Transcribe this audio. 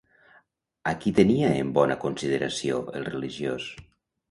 A qui tenia en bona consideració, el religiós?